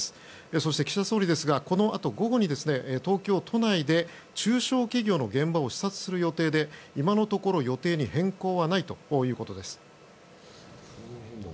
そして、岸田総理ですがこのあと午後に東京都内で中小企業の現場を視察する予定で今のところ予定に変更はないということです。